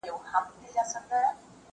زه مخکي سفر کړی و!.